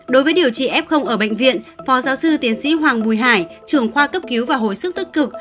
đối với điều trị f ở bệnh viện phó giáo sư tiến sĩ hoàng bùi hải trưởng khoa cấp cứu và hồi sức tích cực